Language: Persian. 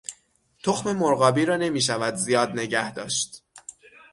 تخم مرغابی را نمیشود زیاد نگهداشت.